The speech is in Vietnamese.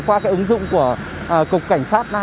qua ứng dụng của cục cảnh sát